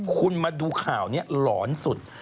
คุณมาดูข่าวนี้หลอนสุด